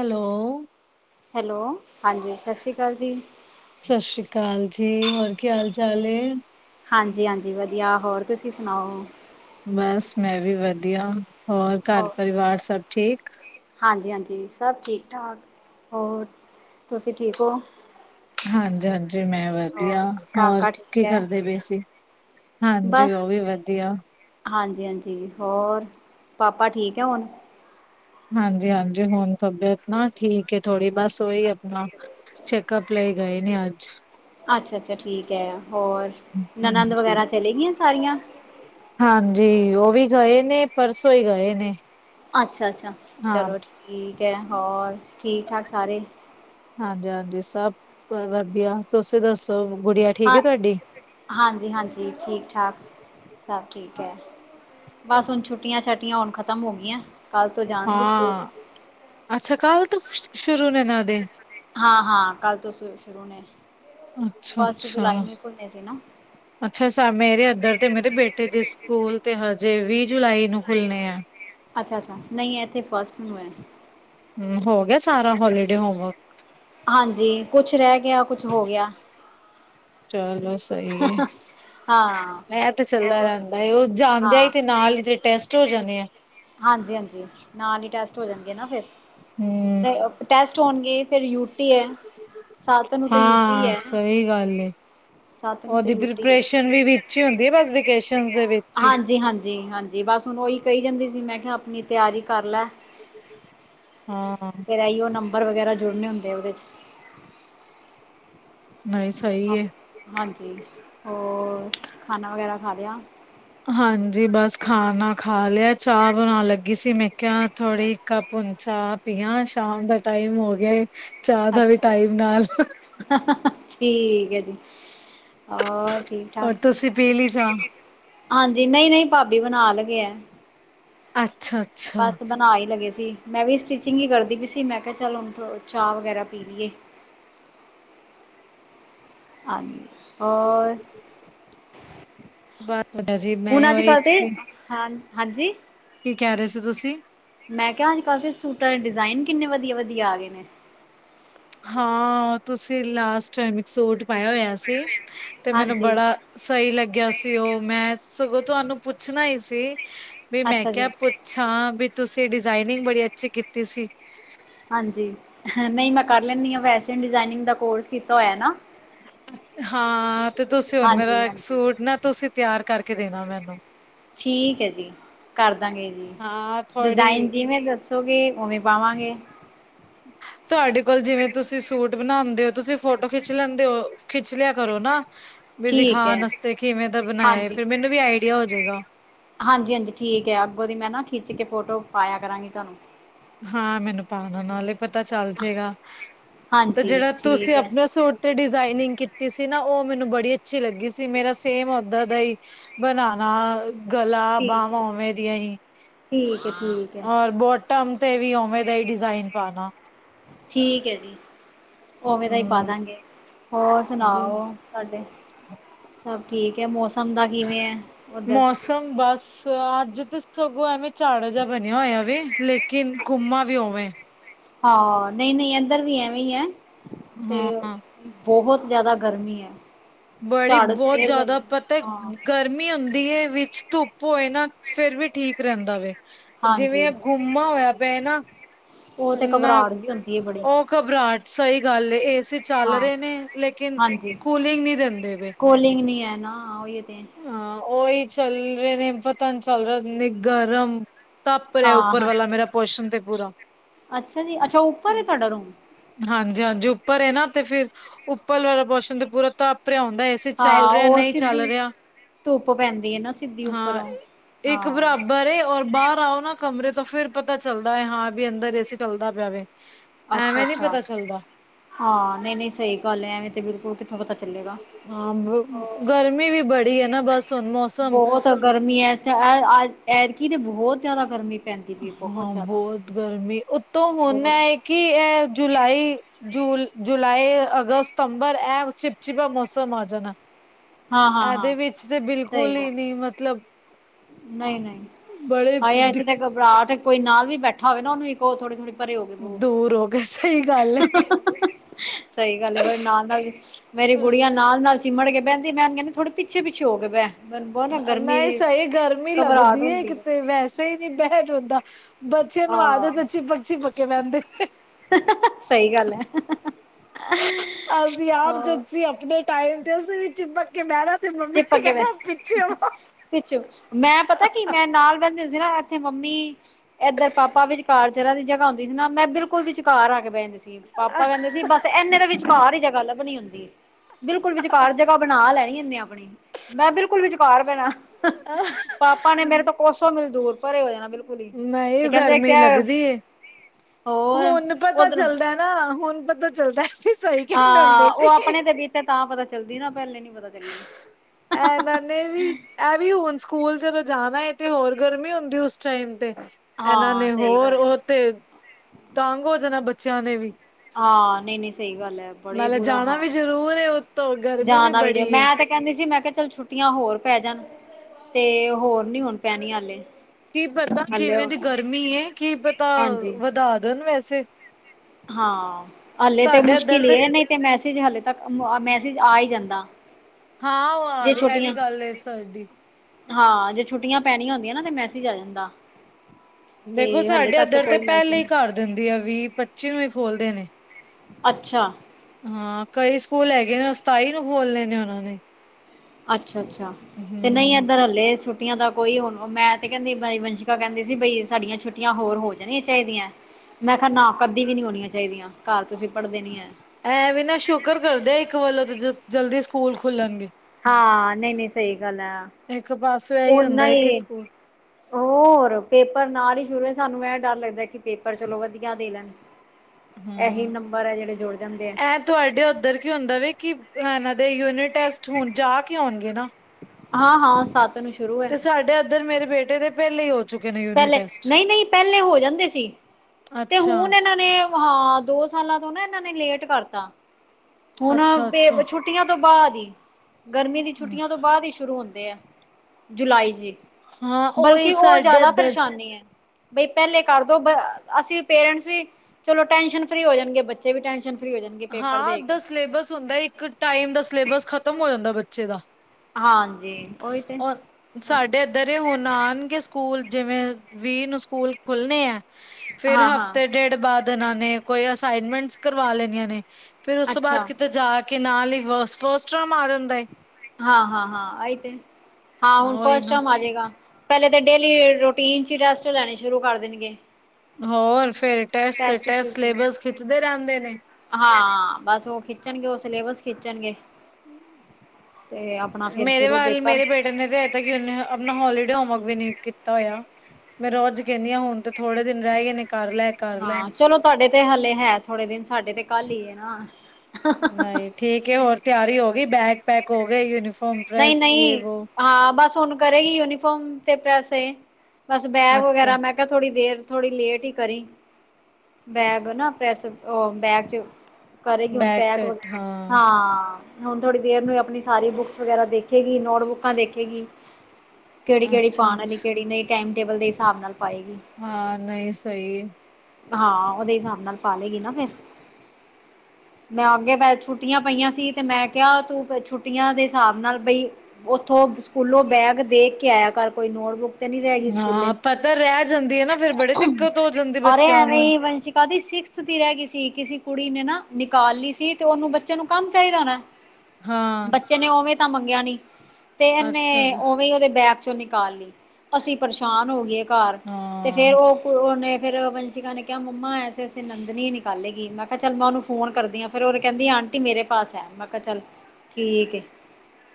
Hello hello, ਹਾਂਜੀ, ਸਤਿ ਸੀ੍ ਅਕਾਲ ਜੀ। ਸਤਿ ਸ਼੍ਰੀ ਕਾਲ ਜੀ, ਹੋਰ ਕੀ ਹਾਲ ਚਾਲ ਏ? ਹਾਂਜੀ-ਹਾਂਜੀ, ਵਧੀਆ ਹੋਰ ਤੁਸੀ ਸੁਣਾਓ? ਬਸ ਮੈਂ ਵੀ ਵਧੀਆ। ਹੋਰ ਘਰ-ਪਰਿਵਾਰ ਸਭ ਠੀਕ। ਹਾਂਜੀ-ਹਾਂਜੀ, ਸਭ ਠੀਕ-ਠਾਕ ਹੋਰ ਤੁਸੀੰ ਠੀਕ ਹੋ? ਹਾਂਜੀ-ਹਾਂਜੀ, ਮੈਂ ਵਧੀਆ, ਹੋਰ ਹੋਰ ਕਾਕਾ ਕੀ ਠੀਕ ਹੈ ਕਰਦੇ ਪਏ ਸੀ? ਹਾਂਜੀ, ਉਹ ਵੀ ਵਧੀਆ। ਹਾਂਜੀ-ਹਾਂਜੀ, ਹੋਰ ਪਾਪਾ ਠੀਕ ਹੈ ਹੁਣ। ਹਾਂਜੀ-ਹਾਂਜੀ, ਹੁਣ ਤਬੀਅਤ ਨਾ ਠੀਕ ਏ ਥੋੜ੍ਹੀ ਬਸ ਉਹੀ ਆਪਣਾ ਚੈਕ ਕਪਲਈ ਗਏ ਨੇ ਅੱਜ। ਅੱਛਾ-ਅੱਛਾ, ਠੀਕ ਹੈ, ਹੋਰ ਨਨੰਦ ਹਾਂਜੀ ਵਗੈਰਾ ਚਲੀ ਗਈਆਂ ਸਾਰੀਆਂ? ਹਾਂਜੀ, ਉਹ ਵੀ ਗਏ ਨੇ, ਪਰਸੋਂ ਹੀ ਗਏ ਨੇ। ਅੱਛਾ-ਅੱਛਾ, ਹਾਂ ਚਲੋ ਠੀਕ ਹੈ। ਹੋਰ ਠੀਕ-ਠਾਕ ਸਾਰੇ। ਹਾਂਜੀ-ਹਾਂਜੀ, ਸਬ ਵਧੀਆ। ਤੁਸੀਂ ਦੱਸੋ ਗੁੜੀਆ ਠੀਕ ਹੈ ਤੁਹਾਡੀ? ਹਾਂਜੀ-ਹਾਂਜੀ, ਠੀਕ-ਠਾਕ, ਸਭ ਠੀਕ ਹੈ। ਬਸ, ਹੁਣ ਛੁੱਟੀਆਂ-ਛੱਟੀਆਂ ਹੁਣ ਖ਼ਤਮ ਹੋ ਗਈਆਂ। ਕੱਲ ਤੋਂ ਜਾਣਗੇ ਸਕੂਲ ਹਾਂ, ਅੱਛਾ ਕੱਲ ਤੋਂ ਸ ਸ਼਼ੁਰੂ ਨੇ ਏਨਾ ਦੇ। ਹਾਂ-ਹਾਂ, ਕੱਲ ਤੋਂ ਸੁ ਸ਼ੁਰੂ ਨੇ। ਅੱਛਾ ਫੱਸਟ ਜੁਲਾਈ ਅੱਛਾ ਨੂੰ ਖ਼ੁੱਲਣੇ ਸੀਨਾ। ਅੱਛਾ, ਸਾ ਮੇਰੇ ਇੱਧਰ ਤੇ ਮੇਰੇ ਬੇਟੇ ਦੇ ਸਕੂਲ ਤੇ ਹਜੇ ਵੀਹ ਜੁਲਾਈ ਨੂੰ ਖੁੱਲਣੇ ਆ। ਅੱਛਾ-ਅੱਛਾ, ਨਹੀਂ ਇੱਥੇ ਫੱਸਟ ਨੂੰ ਹੈਂ। ਹੂੰ, ਹੋ ਗਿਆ ਸਾਰਾ ਹਾੱਲੀਡੇ ਹੋਮ-ਵੱਰਕ? ਹਾਂਜੀ, ਕੁੱਛ ਰਹਿ ਗਿਆ-ਕੁੱਛ ਹੋ ਗਿਆ। ਚੱਲੋ ਸਹੀ ਏ। ਹਾਂ ਇਹ ਤਾ ਚੱਲਦਾ ਹੋਰ ਰਹਿੰਦਾ ਏ ਉਹ ਜਾਂਦਿਆਂ ਈ ਤੇ ਨਾਲ ਜ ਟੈਸਟ ਹੋ ਜਾਂਣੇ ਐ। ਹਾਂਜੀ-ਹਾਂਜੀ, ਨਾਲ ਈ ਟੈੱਸਟ ਹੋ ਜਾਂਣਗੇ ਨਾ ਫੇਰ। ਹੂੰ। ਨਇ, ਉ ਟੈਸਟ ਹੋਣਗੇ ਫੇਰ ਯੂਟੀ ਐ ਸੱਤ ਨੂੰ ਤੇ ਯੂਟੀ ਐ। ਇਹੀ ਗੱਲ ਏ। ਸਤ ਨੂੰ ਤੇ ਉਹਦੀ ਯੂਟੀ ਹੈ, ਪ੍ਰੀਪਰੇਸ਼ਨ ਵੀ ਵਿੱਚ ਹੀ ਹੁੰਦੀ ਹੈ ਬਸ ਵੇਕੇਸ਼ਨ ਦੇ ਵਿੱਚ [unintelligible] ਹੀ ਹਾਂਜੀ- ਹਾਂਜੀ- ਹਾਂਜੀ ਜੀ ਬਸ ਹੁਣ ਉਹੀ ਕਹੀ ਜਾਂਦੀ ਸੀ ਮੈਂ ਕੀ ਆਪਣੀ ਤਿਆਰੀ ਕਰ ਲੈ। ਹਾਂ। ਫਿਰ ਇਹੋ ਨੰਬਰ ਵਗੈਰਾ ਜੁੜਨੇ ਹੁੰਦੇ ਆ ਉਹਦੇ ਚ। ਨਹੀਂ ਸਹੀ ਏ। ਹਾਂਜੀ, ਹੋਰ ਖਾਣਾ ਵਗੈਰਾ ਖਾ ਲਿਆ। ਹਾਂਜੀ, ਬਸ ਖਾਣਾ ਖਾ ਲਿਆ ਚਾਹ ਬਣਾਉਣ ਲੱਗੀ ਸੀ ਮੈਂ ਕਿਹਾ ਥੋੜ੍ਹੀ ਕਪ ਹੁਣ ਚਾਹ ਪੀਆ ਸ਼ਾਮ ਦਾ ਟਾਈਮ ਹੋ ਗਿਆ ਚਾਹ ਦਾ ਵੀ ਟਾਈਮ ਅੱਛਾ ਨਾਲ ਠੀਕ ਹੈ ਜੀ। ਹੋਰ ਠੀਕ-ਠਾਕ ਔਰ ਤੁਸੀਂ ਪੀ ਲਈ ਚਾਹ? ਹਾਂਜੀ, ਨਹੀਂ-ਨਹੀਂ ਭਾਬੀ ਬਨਾਣ ਲੱਗੇ ਆ। ਅੱਛਾ-ਅੱਛਾ, ਬਸ ਬਣਾਈ ਲੱਗੇ ਸੀ। ਮੈਂ ਵੀ ਸਟਿਚਿੰਗ ਹੀ ਕਰਦੀ ਪਈ ਸੀ ਮੈਂ ਕਿਹਾ, ਚੱਲੋ ਹੁਣ ਚ ਚਾਹ ਵਗੈਰਾ ਪੀ ਲਈਏ। ਹਾਂਜੀ, ਹੋਰ। ਬਾ ਹੁਣ ਅੱਜ-ਕੱਲ ਤੇ ਹਾਂ ਹਾਂਜੀ। ਕੀ ਕਹਿ ਰਹੇ ਸੀ ਤੁਸੀਂ? ਮੈਂ ਕਿਹਾ ਅੱਜ ਕੱਲ੍ਹ ਦੇ ਸੂਟਾਂ ਦੇ ਡਿਜ਼ਾਇਨ ਕਿੰਨੇ ਵਧੀਆ ਵਧੀਆ ਆ ਗਏ ਨੇ ਹਾਂ ਤੁਸੀਂ ਲਾਸਟ ਟਾਈਮ ਇੱਕ ਸੂਟ ਪਾਇਆ ਹੋਇਆ ਸੀ ਤੇ ਮੈਨੂੰ ਹਾਂਜੀ ਬੜਾ ਸਹੀ ਲੱਗਿਆ ਸੀ ਉਹ ਮੈਂ ਸਗੋਂ ਤੁਹਾਨੂੰ ਪੁੱਛਣਾ ਹੀ ਸੀ ਵੀ ਮੈਂ ਅੱਛਾ ਜੀ ਕਿਹਾ ਛਾਂ ਵੀ ਤੁਸੀਂ ਡਿਜ਼ਾਇਨਿੰਗ ਬੜੀ ਅੱਛੀ ਕੀਤੀ ਸੀ ਹਾਂਜੀ ਨਹੀਂ ਮੈਂ ਕਰ ਲੈਂਦੀ ਹਾਂ ਫੈਸ਼ਨ ਡਿਜਾਇਨਿੰਗ ਦਾ ਕੋਰਸ ਕੀਤਾ ਹੋਇਆ ਨਾ ਹਾਂ ਤੇ ਤੁਸੀਂ ਹੁਣ ਮੇਰਾ ਹਾਂਜੀ ਇੱਕ ਹਾਂਜੀ ਸੂਟ ਨਾ ਤੁਸੀਂ ਤਿਆਰ ਕਰਕੇ ਦੇਣਾ ਮੈਨੂੰ ਠੀਕ ਜੀ ਕਰਦਾਂਗੇ ਜੀ ਹਾਂ ਥੋੜੀ ਡਿਜ਼ਾਇਨ ਜਿਵੇਂ ਦੱਸਉਂਗੇ ਦੱਸੋਗੇ ਉਵੇਂ ਪਾਵਾਂਗੇ [inaudible] ਤੁਹਾਡੇ ਕੋਲ ਜਿਵੇਂ ਤੁਸੀਂ ਸੂਟ ਬਣਾਉਂਦੇ ਹੋ ਤੁਸੀਂ ਫੋਟੋ ਖਿੱਚ ਲੈਂਦੇ ਹੋ ਖਿੱਚ ਲਿਆ ਕਰੋ ਨਾ ਵੀ ਠੀਕ ਹੈ ਦਿਖਾਣ ਵਾਸਤੇ ਕਿਵੇਂ ਦਾ ਬਣਾਇਆ ਹਾਂਜੀ ਫਿਰ ਮੈਨੂੰ ਵੀ ਆਈਡੀਆ ਹੋ ਜਾਏਗਾ ਹਾਂਜੀ ਹਾਂਜੀ ਠੀਕ ਹੈ ਅੱਗੋਂ ਦੀ ਮੈਂ ਨਾ ਖਿੱਚ ਕੇ ਫੋਟੋ ਪਾਇਆ ਕਰਾਂਗੀ ਤੁਹਾਨੂੰ ਹਾਂ ਮੈਨੂੰ ਪਾਉਣ ਨਾਲ ਹੀ ਪਤਾ ਚੱਲ ਜੇਗਾ ਤੇ ਹਾਂਜੀ ਜਿਹੜਾ ਤੁਸੀਂ ਠੀਕ ਹੈ ਆਪਣੇ ਸੂਟ ਤੇ ਡਿਜ਼ਾਇਨਿੰਗ ਕੀਤੀ ਸੀ ਨਾ ਉਹ ਮੈਨੂੰ ਬੜੀ ਅੱਛੀ ਲੱਗੀ ਸੀ ਮੇਰਾ ਸੇਮ ਉੱਦਾ ਦਾ ਹੀ ਬਨਾਣਾ ਗਲਾ ਠੀਕ ਬਾਾਹਵਾਂ ਹੈ ਉਵੇਂ ਦੀਆਂ ਹੀ ਠੀਕ ਹੈ ਠੀਕ ਹੈ ਔਰ ਬੋਟਮ ਤੇ ਓਵੇਂ ਓਵੇਂ ਦਾ ਹੀ ਡਿਜ਼ਾਇਨ ਪਾਣਾ ਠੀਕ ਹੈ ਜੀ ਉਵੇਂ ਦਾ ਹੀ ਪਾ ਹੂੰ। ਦਾਂਗੇ ਹੋਰ ਸੁਣਾਓ ਸਾਡੇ ਸਭ ਠੀਕ ਹੈ ਮੌਸਮ ਦਾ ਕਿਵੇਂ ਹੈ ਉੱਧਰ ਬੱਸ ਅਜ ਤਾਂ ਸਗੋਂ ਐਵੇਂ ਚਾੜ੍ਹਾ ਜਿਹਾ ਬਣਿਆ ਹੋਇਆ ਵੇ ਲੇਕਿਨ ਘੁੰਮਾ ਵੀ ਉਵੇਂ ਹਾਂ ਨਹੀਂ ਨਹੀਂ ਅੰਦਰ ਵੀ ਐਵੇਂ ਹੀ ਹੈ ਤੇ ਹਾਂ ਬਹੁਤ ਜਿਆਦਾ ਗਰਮੀ ਹੈ ਬੜੀ ਝਾੜ ਬਹੁਤ ਸਵੇਰ ਦਾ ਜਿਆਦਾ ਹੀ ਪਤਾ ਹਾਂ ਗਰਮੀ ਹੁੰਦੀ ਹੈ ਵਿੱਚ ਧੁੱਪ ਹੋਏ ਨਾ ਫਿਰ ਵੀ ਠੀਕ ਰਹਿੰਦਾ ਵੇ ਹਾਂਜੀ ਜਿਵੇਂ ਗੁੰਮਾ ਹੋਇਆ ਪਏ ਨਾ ਉਹ ਤੇ ਨਾ ਘਬਰਾਹਟ ਵੀ ਹੁੰਦੀ ਹੈ ਬੜੀ ਉਹ ਘਬਰਾਹਟ ਸਹੀ ਗੱਲ ਏ ਸੀ ਚੱਲ ਹਾਂ ਰਹੇ ਨੇ ਲੇਕਿਨ ਕੂਲਿੰਗ ਨਹੀ ਦਿੰਦੇ ਪਏ ਕਾਲਿੰਗ ਨੀ ਹੈ ਨਾ ਉਹੀ ਤਾਂ ਹਾਂ ਓਹੀ ਚੱਲ ਰਹੇ ਨੇ ਪਤਾ ਨਹੀਂ ਚੱਲ ਰਿਹਾ ਇੰਨੇ ਗਰਮ ਤਪ ਰਿਹਾ ਹਾਂ ਉੱਪਰ ਹਾਂ ਵਾਲਾ ਮੇਰਾ ਪੋਸ਼ਣ ਤੇ ਪੂਰਾ ਅੱਛਾ ਜੀ ਅੱਛਾ ਉੱਪਰ ਹੈ ਤੁਹਾਡਾ ਰੂਮ ਹਾਂਜੀ ਹਾਂਜੀ ਉੱਪਰ ਨਾ ਤੇ ਫਿਰ ਉੱਪਰ ਵਾਲਾ ਪੋਸ਼ਨ ਤੇ ਪੂਰਾ ਤਪਰਿਆ ਹੁੰਦਾ ਹੈ ਹਾਂ, ਉਹ ਸਿੱਧੀ ਧੁੱਪ ਪੈਂਦੀ ਏ ਨਾ ਸਿੱਧੀ ਉੱਪਰੋਂ, ਹਾਂ। ਪਰੇ ਔਰ ਬਾਹਰ ਆਓ ਨਾ ਕਮਰੇ ਤੋਂ ਫਿਰ ਪਤਾ ਚੱਲਦਾ ਹੈ ਹਾਂ ਵੀ ਅੰਦਰ ਏ ਸੀ ਚੱਲਦਾ ਪਿਆ ਵੇ। ਐਵੇਂ ਨੀ ਅੱਛਾ-ਅੱਛਾ, ਪਤਾ ਚੱਲਦਾ ਹਾਂ ਨਹੀਂ-ਨਹੀਂ, ਸਹੀ ਗੱਲ ਏ, ਐਵੇਂ ਤੇ ਬਿਲਕੁਲ ਪਤਾ ਚੱਲੇਗਾ ਹਾਂ, ਗਰਮੀ ਵੀ ਬੜੀ ਏ ਨਾ ਬਸ ਹੁਣ ਮੌਸਮ ਬਹੁਤ ਗਰਮੀ ਏ, ਐਤਕੀ ਤੇ ਬਹੁਤ ਜ਼ਿਆਦਾ ਗਰਮੀ ਪੈਂਦੀ ਪਈ ਬਹੁਤ ਹਾਂ ਜ਼ਿਆਦਾ। ਬਹੁਤ ਗਰਮੀ, ਉਤੋਂ ਹੁਣ ਬਹੁਤ ਐ ਏ ਕਿ ਇਹ ਜੁਲਾਈ ਜੁ ਜੁਲਾਈ ਅਗਸਤ ਸਤੰਬਰ ਇਹ ਚਿਪਚਿਪਾ ਮੌਸਮ ਆ ਜਾਣਾ ਹਾਂ ਹਾਂ ਹਾਂ ਇਹਦੇ ਵਿੱਚ ਤੇ ਬਿਲਕੁਲ ਹੀ ਨੀ ਮਤਲਬ ਨਹੀਂ-ਨਹੀਂ, ਹਾਏ ਬੜੇ ਇੱਥੇ ਤੇ ਘਬਰਾਹਟ ਕੋਈ ਨਾਲ ਵੀ ਬੈਠਾ ਹੋਵੇ ਨਾ ਉਹਨੂੰ ਵੀ ਕਹੋ ਥੋੜੀ ਪਰੇ ਹੋ ਕੇ ਬਹੋ। ਦੂਰ ਹੋ ਗਏ। ਸਹੀ ਗੱਲ ਏ। ਸਹੀ ਗੱਲ ਏ। ਪਰ ਨਾਲ-ਨਾਲ, ਮੇਰੀ ਗੁੜੀਆਂ ਨੇ ਨਾਲ -ਨਾਲ ਚਿਮੜ ਕੇ ਬਹਿੰਦੀ, ਮੈਂ ਉਨ ਕਹਿੰਦੀ ਥੋੜੇ ਪਿੱਛੇ -ਪਿੱਛੇ ਹੋ ਕੇ ਬਹਿ। ਬਹੁਤ ਨਾ ਗਰਮੀ ਨਹੀਂ ਜਈ ਸਹੀ ਗਰਮੀ ਲੱਗਦੀ ਏ ਕਿਤੇ, ਵੈਸੇ ਹੀ ਨਹੀਂ ਬਹਿਣ ਹੁੰਦਾ। ਬੱਚੇ ਨਵਾ ਹਾਂ ਦਿੰਦੇ ਨੇ ਚਿਪਕ-ਚਿਪਕ ਕੀ ਵਹਿੰਦੇ ਸਹੀ ਗੱਲ ਐ ਅਸੀਂ ਆਪ ਜ ਹਾਂ ਤੁਸੀਂ ਆਪਣੇ ਟਾਈਮ ਤੇ ਉਸ ਵਿੱਚ ਚਿਪਕ ਕੇ ਬਹਿਣਾ ਤੇ ਮੰਮੀ ਨੇ ਕਹਿਣਾ ਪਿੱਛੇ ਹੋ। ਪਿੱਛੋਂ ਮੈਂ ਪਤਾ ਕੀ ਮੈਂ ਨਾਲ ਵਹਿੰਦੀ ਹੁੰਦੀ ਸੀ ਨਾ ਇੱਥੇ ਮੰਮੀ ਇਧਰ ਪਾਪਾ ਵਿਚਕਾਰ ਦਰਾਹ ਦੀ ਜਗ੍ਹਾ ਹੁੰਦੀ ਸੀ ਨਾ ਮੈਂ ਬਿਲਕੁਲ ਵਿਚਕਾਰ ਆ ਕੇ ਬਹਿੰਦੀ ਸੀ ਪਾਪਾ ਕਹਿੰਦੇ ਸੀ ਬਸ ਇਨੇ ਤਾਂ ਵਿਚਕਾਰ ਹੀ ਜਗ੍ਹਾ ਲੱਬਣੀ ਹੁੰਦੀ ਬਿਲਕੁਲ ਵਿਚਕਾਰ ਜਗ੍ਹਾ ਬਣਾ ਲੈਣੀ ਏ ਇਨੇ ਆਪਣੀ। ਮੈਂ ਬਿਲਕੁਲ ਵਿਚਕਾਰ ਬੈਣਾ। ਪਾਪਾ ਨੇ ਮੇਰੇ ਤੋਂ ਕੋਸੋ ਮੀਲ ਦੂਰ, ਪਰੇ ਹੋ ਜਾਣਾ ਬਿਲਕੁਲ। ਹੀ ਨਹੀਂ ਤੇ ਕਹਿੰਦੇ ਇੱਕ ਗਰਮੀ ਲੱਗਦੀ ਏ, ਹੋਰ ਹੁਣ ਪਤਾ ਉਧਰੋਂ ਚੱਲਦਾ ਨਾ, ਹੁਣ ਪਤਾ ਚੱਲਦਾ ਵੀ ਸਹੀ ਕਹਿੰਦੇ ਹਾਂ, ਹੁੰਦੇ ਉਹ ਸੀ। ਆਪਣੇ ਤੇ ਬੀਤੇ ਤਾਂ ਪਤਾ ਚੱਲਦੀ ਨਾ, ਪਹਿਲੇ ਨੀ ਪਤਾ ਚੱਲਦੀ। ਇਹਨਾਂ ਨੇ ਵੀ ਇਹ ਵੀ ਹੁਣ ਸਕੂਲ ਜਦੋਂ ਜਾਣਾ ਏ ਤੇ ਹੋਰ ਗਰਮੀ ਹੁੰਦੀ ਉਸ ਟਾਈਮ ਤੇ। ਇਹਨਾਂ ਹਾਂ ਨੇ ਸਹੀ ਹੋਰ, ਗੱਲ ਉਹ ਤੇ ਤੰਗ ਹੋ ਜਾਣਾ ਬੱਚਿਆਂ ਨੇ ਵੀ। ਹਾਂ, ਨਹੀਂ -ਨਹੀਂ ਸਹੀ ਗੱਲ ਹੈ। ਬੜੇ ਨਾਲੇ ਬੁਰਾ ਜਾਣਾ ਵੀ ਹਾਲ। ਜ਼ਰੂਰ ਏ ਉਤੋਂ ਗਰਮੀ ਜਾਣਾ ਵੀ ਏ, ਬੜੀ ਮੈਂ ਤੇ ਕਹਿੰਦੇ ਸੀ, ਮੈਂ ਕਿਹਾ ਚੱਲ ਛੁੱਟੀਆਂ ਹੋਰ ਪੈ ਜਾਣ। ਤੇ ਹੋਰ ਨਹੀ ਹੁਣ ਪੈਣੀਆਂ ਹਲੇ। ਕੀ ਪਤਾ, ਜਿਵੇਂ ਦੀ ਗਰਮੀ ਏ। ਕੀ ਪਤਾ ਹਾਂਜੀ ਵਧਾ ਦੇਣ ਵੈਸੇ। ਹਾਂ। ਹਲੇ ਤੇ ਸਾਡੇ ਇੱਧਰ ਮੁਸ਼ਕਿਲ ਹੀ ਏ, ਨਹੀਂ ਤੇ ਮੈਸੇਜ ਹਲੇੇ ਤੱਕ, ਮੈਸੇਜ ਆ ਹੀ ਜਾਂਦਾ। ਹਾਂ ਉਹ ਆ ਜੇ ਵੇ, ਇਹ ਵੀ ਛੁੱਟੀਆਂ ਗੱਲ ਏ ਸਾਡੀ। ਹਾਂ ਜੇ ਛੁੱਟੀਆਂ ਪੈਣੀਆਂ ਹੁੰਦੀਆਂ ਨਾ ਤੇ ਮੈਸਿਜ ਆ ਜਾਂਦਾ। ਤੇ ਦੇਖੋ ਹਲੇੇ ਸਾਡੇ ਤੱਕ ਐਦਰ ਤੇ ਕੋਈ ਪਹਿਲੇ ਮੈਸੇਜ ਹੀ ਕਰ ਦਿੰਦੀ ਆ। ਵੀਹ-ਪੱਚੀ ਨੂੰ ਹੀ ਖੋਲਦੇ ਨੇ। ਅੱਛਾ। ਹਾਂ, ਕਈ ਸਕੂਲ ਹੈਗੇ ਨੇ, ਉਹ ਸਤਾਈ ਨੂੰ ਖੋਲਣੇ ਨੇ ਉਹਨਾਂ ਨੇ। ਅੱਛਾ- ਅੱਛਾ, ਤੇ ਨਹੀਂ ਹੂੰ ਇੱਧਰ ਹਲੇ ਛੁੱਟ ਛੁੱਟੀਆਂ ਦਾ ਕੋਈ ਹੁਣ, ਮੈਂ ਤੇ ਕਹਿੰਦੀ ਬਈ, ਵੰਸ਼ਿਕਾ ਕਹਿੰਦੀ ਸੀ ਬਈ ਸਾਡੀਆਂ ਛੁੱਟੀਆਂ ਹੋਰ ਹੋ ਜਾਣੀਆਂ ਚਾਹੀਦੀਆਂ। ਮੈਂ ਕਿਹਾ ਨਾ ਕੱਦੀ ਵੀ ਨਹੀਂ ਹੋਣੀਆਂ ਚਾਹੀਦੀਆਂ। ਘਰ ਤੁਸੀਂ ਪੜ੍ਹਦੇ ਨੀ ਹੈ। ਐਂ ਵੀ ਨਾ ਸ਼ੁਕਰ ਕਰਦੇ ਆ ਇੱਕ ਵੱਲੋਂ ਤੇ, ਜ ਜਲਦੀ ਸਕੂਲ ਖੁੱਲਣਗੇ। ਹਾਂ, ਨਹੀਂ-ਨਹੀਂ ਸਹੀ ਗੱਲ ਹੈ। ਇੱਕ ਬੱਸ ਏਹੀ ਓਨਾ ਹੁੰਦਾ ਹੈ ਕਿ ਹੀ ਸਕੂਲ ਹੋਰ, ਪੇਪਰ ਨਾਲ ਹੀ ਸ਼ੁਰੂ। ਸਾਨੂੰ ਇਹ ਡਰ ਲੱਗਦਾ ਕਿ ਪੇਪਰ ਚਲੋ ਵਧੀਆ ਦੇ ਲੈਣ। ਇਹੀ ਹਮ ਨੰਬਰ ਐ ਜਿਹੜੇ ਜੁੜ ਜਾਂਦੇ ਐਂ। ਐ ਤੁਹਾਡੇ ਉੱਧਰ ਕੀ ਹੁੰਦਾ ਵੇ ਕਿ ਇਹਨਾਂ ਦੇ ਯੂਨਿਟ ਟੈਸਟ ਹੁਣ ਜਾ ਕੇ ਹੋਣਗੇ ਨਾ। ਹਾਂ ਹਾਂ ਸਤ ਨੂੰ ਸ਼ੁਰ ਤੇ ਸਾਡੇ ਐਧਰ, ਮੇਰੇ ਬੇਟੇ ਦੇ ਪਹਿਲੇ ਹੀ ਹੋ ਚੁੱਕੇ ਨੇ ਯੂਨਿਟ ਪਹਿਲੇ, ਟੈਸਟ ਨਹੀਂ-ਨਹੀਂ ਪਹਿਲੇ ਹੋ ਜਾਂਦੇ ਸੀ, ਤੇ ਅੱਛਾ ਹੁਣ ਇਹਨਾਂ ਤੇ ਹਾਂ, ਦੋ ਸਾਲਾਂ ਤੋਂ ਨਾ ਇਹਨਾਂ ਨੇ ਲੇਟ ਕਰਤਾ। ਹੁਣ ਅੱਛਾ ਬੇ ਅੱਛਾ ਛੁੱਟ ਛੁੱਟੀਆਂ ਤੋਂ ਬਾਅਦ ਹੀ, ਗਰਮੀ ਦੀ ਹਮ, ਛੁੱਟੀਆਂ ਤੋਂ ਬਾਅਦ ਹੀ ਸ਼ੁਰੂ ਹੁੰਦੇ ਆ। ਜੁਲਾਈ ਜੀ। ਹਾਂ, ਓਹੀ ਬਲਕਿ ਉਹ ਸਾਡੇ ਜ਼ਿਆਦਾ ਇੱਧਰ [unintelligible] ਬਈ ਪੈਲੇ ਕਰਦੋ, ਬ ਅਸੀ ਪੇਰੇਂਟਸ ਵੀ ਚਲੋ ਟੈਨਸ਼ਨ ਫ੍ਰੀ ਹੋ ਜਾਨਗੇ ਬੱਚੇ ਵੀ ਟੈਨਸ਼ਨ ਫਰੀ ਹੋ ਜਾਣਗੇ ਪੇਪਰ ਹਾਂ, ਦੇ ਕੇ ਅੱਧਾ ਸਲੇਬਸ ਹੁੰਦਾ ਇੱਕ ਟਾਈਮ ਦਾ ਸਲੇਬਸ ਖਤਮ ਹੋ ਜਾਂਦਾ ਬੱਚੇ ਦਾ। ਹਾਂਜੀ ਉਹੀ ਤੇ [unintelligible] ਸਾਡੇ ਤੇਰੇ ਹੁਨ ਆਨਗੇ ਸਕੂਲ, ਜਿਵੇਂ ਵੀਹ ਨੂੰ ਸਕੂਲ ਖੁੱਲਨੇ ਐ, ਫੇਰ ਹਾਂ ਹਾਂ ਹਫ਼ਤੇ ਡੇਡ ਬਾਦ ਏਨਾ ਨੇ ਕੋਈ ਅਸਾਈਨਮੈਂਟ ਕਰਵਾ ਲੈਨੀਆਂ ਨੇ, ਫੇਰ ਉਸ ਤੋ‌ ਬਾਦ ਅੱਛਾ ਕਿਤੇ ਜਾ ਕੇ ਨਾਲ ਈ [unintelligible] ਫਸਟ ਟਰਮ ਆ ਜਾਂਦਾ ਏ। ਹਾਂ, ਹਾਂ, ਹਾਂ, ਆਈ ਤੇ ਹਾਂ ਹੁਨ ਉਹੀ ਫਸਟ ਨਾ ਟਰਮ ਆ ਜੇਗਾ। ਪੈਲੇ ਤੇ ਡੇਲੀ ਰੂਟੀਨ ਚ ਟੈਸਟ ਲੈਣੇ ਸ਼ੁਰੂ ਕਾੱਰ ਦੇਨਗੇ। ਹੋਰ ਫੇਰ ਟੈਸਟ, ਟੈਸਟ ਸ਼ੁਰੂ ਸਲੇਬਸ ਖਿੱਚਦੇ ਰੈਂਦੇ ਨੇ। ਹਾਂ ਬਾੱਸ ਓ ਖਿੱਚਨਗੇ ਓ ਸਿਲੇਬਸ ਖਿੱਚਨਗੇ। ਤੇ ਆਪਣਾ ਫੇਰ ਮੇਰੇ ਸ਼ੁਰੂ ਵੱਲ ਪੇਪਰ ਮੇਰੇ ਨੇ ਬੇਟੇ ਹਜੇ ਤੱਕ ਉਹਨੇ ਆਪਣਾ ਹੋਲੀਡੇ ਹੋਮਵਰਕ ਵੀ ਨਹੀਂ ਕੀਤਾ ਹੋਇਆ। ਮੈਂ ਰੋਜ ਕੈਨੀ ਹਾਂ, ਹੁਣ ਤੇ ਥੋੜੇ ਦਿਨ ਰਹਿ ਗਏ ਨੇ, ਕਰ ਲੈ। ਕਰ ਲੈ। ਹਾਂ ਚਲੋ ਤੁਹਾਡੇ ਤੇ ਹਲੇ ਹੈ ਥੋੜੇ ਦਿਨ, ਸਾਡੇ ਤੇ ਕੱਲ ਹੀ ਏ ਨਾ। ਨਹੀਂ, ਠੀਕ ਏ। ਹੋਰ ਤਿਆਰੀ ਹੋ ਗਈ, ਬੈਗ ਪੈਕ ਹੋ ਗਏ, ਯੂਨੀਫਾਰਮ ਪ੍ਰੈਸ ਯੇ ਨਹੀਂ-ਨਹੀਂ, ਵੋ। ਹਾਂ। ਬਸ ਹੁਣ ਕਰੇਗੀ, ਯੂਨੀਫਾਰਮ ਤੇ ਪੈਸ ਏ। ਬਾੱਸ ਬੈਗ ਵਗੈਰਾ ਅੱਛਾ ਮੈਂ ਕੇਆ ਥੋੜੀ ਦੇਰ ਥੋੜੀ ਲੇਟ ਈ ਕਰੀ। ਬੈਗ ਨਾ ਪ੍ਰੈਸ ਓ ਬੈਗ ਚ ਕਰੇਗੀ ਹੁਨ ਬੈਕ ਪੈਕ ਸੈਟ ਵਗੈਰਾ ਹਾਂ ਹਾਂ, ਹੁਨ ਥੋੜੀ ਦੇਰ ਨੂੰ ਆਪਨੀ ਸਾਰੀ ਬੁੱਕਸ। ਵਗੈਰਾ ਦੇਖੇਗੀ ਨੋਟਬੁੱਕਾਂ ਦੇਖੇਗੀ ਕੇੜੀ, ਕੇੜੀ ਅੱਛਾ ਪਾਨ ਆਲੀ, ਅੱਛਾ ਕੇੜੀ ਨਈ। ਟਾਈਮ ਟੇਬਲ ਦੇ ਹਿਸਾਬ ਨਾਲ ਪਾਏਗੀ। ਹਾਂ, ਨਈ ਸਈ ਏ। ਹਾਂ, ਓਦੇ ਹਿਸਾਬ ਨਾਲ ਪਾਲੇਗੀ ਨਾ ਫੇਰ। ਮੈਂ ਅੱਗੇ ਛੁੱਟੀਆਂ ਪਈਆਂ ਸੀ ਤੇ ਮੈਂ ਕੇਆ ਤੂੰ ਛੁੱਟੀਆਂ ਦੇ ਹਿਸਾਬ ਨਾਲ ਬਈ। ਓਥੋਂ ਸਕੂਲੋਂ ਬੈਗ ਦੇਖ ਕੇ ਆਏਆ ਕਾੱਰ ਕੋਈ ਨੋਟਬੁੱਕ। ਤੇ ਨੀ ਰਹਿ ਗਈ ਸਕੂਲੇ। ਹਾਂ ਪਤਾ ਰੈ ਜਾਂਦੀ ਏ ਨਾ, ਫੇਰ ਬੜੇ ਦਿੱਕਤ ਜਾਂਦੀ ਅਰੇ ਬੱਚਿਆਂ ਨੂੰ ਐਵੇਂ [unintelligible] ਕਦੀ ਸਿਕਸ ਦੀ ਰੈਗੀ ਸੀ, ਕਿਸੇ ਕੁੜੀ ਨੇ ਨਾ ਨਿਕਾਲ ਲੀ ਸੀ, ਤੇ ਓਨੂੰ ਬੱਚੇ ਨੂੰ ਕਾੱਮ ਚਾਈਦਾ ਹੋਨਾ। ਹਾਂ। ਚ ਏਨੇ ਓਵੇਂ ਤਾਂ ਮੰਗੇਆ ਨੀ, ਤੇ ਅੱਛਾ ਏਨੇ ਜੀ ਓਵੇਂ ਓਦੇ ਬੈਗ ਚੋਂ ਨਿਕਾਲ ਲੀ। ਅਸੀ ਪਰੇਸ਼ਾਨ ਹੋਗੇ ਘਾੱਰ, ਤੇ ਫੇਰ ਹਾਂ ਓ ਓਨੇ ਫੇਰ ਵੰਸ਼ਿਕਾ ਨੇ ਕੇਆ ਮੰਮਾ ਐਸੇ, ਐਸੇ ਨੰਦਨੀ ਨਿਕਾਲੇਗੀ, ਮੈ ਕੇਆ ਚੱਲ ਮੈਂ ਓਨੂ ਫੋਨ ਕਰਦੀ ਆਂ, ਫੇਰ ਓਦੇ ਕੈਂਦੀ ਆਂਟੀ ਤੇ ਮੇਰੇ ਪਾਸ ਐ, ਮੈਂ ਕਾ ਚੱਲ ਠੀਕ ਏ।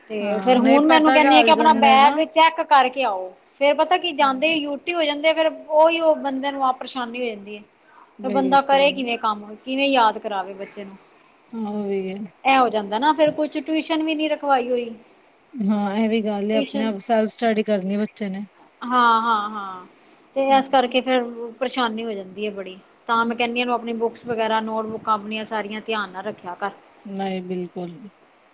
ਤੇ ਫੇਰ ਹਾਂ ਨਹੀਂ ਹੁਨ ਮੈ ਐਨੂੰ ਪਤਾ ਕੈਨੀ ਆ ਕਿ ਚੱਲ ਆਪਨਾ ਜਾਂਦਾ ਹੈ ਨਾ ਬੈਗ ਚੈੱਕ ਕਾਰਕੇ ਆਓ, ਫੇਰ ਪਤਾ ਕੀ ਜਾਂਦੇ ਹਮ, ਯੂਟੀ ਹੋ ਜਾਂਦੇ ਆ, ਫੇਰ ਓਈਯੋ ਬੰਦੇ ਨੂੰ ਆਪ। ਪਰੇਸ਼ਾਨੀ ਹੋ ਜਾਂਦੀ ਏ, ਤੇ ਬੰਦਾ ਕਰੇ ਬਿਲਕੁਲ ਕਿਵੇਂ ਕੰਮ ਕਿਵੇਂ ਯਾਦ ਕਰਾਵੇ ਬੱਚੇ ਨੂੰ। ਹਾਂ, ਓਈ‌‌ ਏ। ਐ ਹੋ ਜਾਂਦਾ ਨਾ ਫੇਰ ਕੁਝ ਟਯੁਸ਼ਨ ਵੀ ਨੀ ਰਖਵਾਈ ਹੋਈ। ਹਾਂ, ਏਵੀ ਗਾੱਲ ਆਪਨੇ ਟਿਊਸ਼ਨ ਆਪ ਸੈਲਫ ਸਟਡੀ ਕਰਨੀ ਬੱਚੇ ਨੇ। ਹਾਂ, ਹਾਂ, ਹਾਂ, ਤੇ ਹਮ, ਏਸ ਕਰਕੇ ਫੇਰ ਪਰੇਸ਼ਾਨੀ ਹੋ ਜਾਂਦੀ ਏ ਬੜੀ। ਤਾਂ ਹਮ, ਮੈਂ ਕੈਨੀ ਆਂ ਨੂੰ ਆਪਨੀ ਬੁੱਕਸ ਵਗੈਰਾ, ਨੋਟਬੁੱਕਾਂ ਆਪਨੀਆਂ ਸਾਰੀਆਂ ਧਆਨ ਨਾਲ ਰੱਖੇਆ ਕਾੱਰ। ਨੲਈ ਬਿਲਕੁਲ ਵੀ।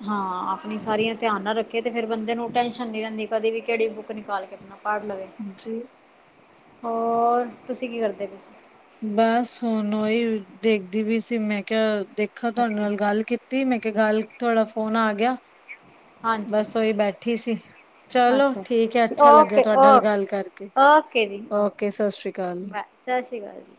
ਹਾਂ, ਆਪਨੀ ਸਾਰੀਆਂ ਧਆਨ ਨਾਲ ਰੱਖੇ ਤੇ ਫਿਰ ਬੰਦੇ ਨੂੰ ਟੈਨਸ਼ਨ ਨੀ ਰੈਂਦੀ ਕਦੀ ਵੀ ਕੇੜੀ ਬੁੱਕ ਨਿਕਾਲ ਕੇ ਪਾੱੜ ਲਵੇ। ਜੀ। ਹੋਰ ਤੁਸੀਂ ਕੀ ਕਰਦੇ ਪਏ ਸੀ? ਬਸ ਹੁਣ ਓਹੀ ਦੇਖਦੀ ਪਈ ਸੀ ਮੈਂ ਕਿਹਾ ਦੇਖਾ ਤੁਹਾਡੇ ਅੱਛਾ ਨਾਲ ਗੱਲ ਕੀਤੀ ਤੀ ਮੈਂ ਕਿਹਾ ਗੱਲ, ਤੁਹਾਡਾ ਫੋਨ ਆ ਗਿਆ ਹਾਂਜੀ ਬਾੱਸ ਓਈ ਬੈਠੀ ਸੀ। ਚਲੋ, ਅੱਛਾ ਠੀਕ ਹੈ, ਅੱਛਾ ਲੱਗੇਆ ਓਕੇ ਤੂਆਡੇ ਨਾਲ ਓਕੇ ਗਾੱਲ ਕਾਰਕੇ, ਓਕੇ ਜੀ ਓਕੇ ਸਸ੍ਰੀ ਕਾਲ। ਬਾਏ ਸਤਿ ਸ਼੍ਰੀ ਅਕਾਲ ਜੀ